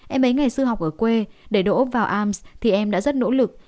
em ấy ngày sư học ở quê để đổ ốc vào arms thì em đã rất nỗ lực